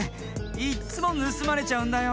いっつもぬすまれちゃうんだよ。